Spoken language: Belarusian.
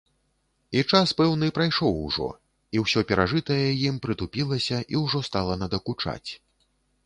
І час пэўны прайшоў ужо, і ўсё перажытае ім прытупілася і ўжо стала надакучаць.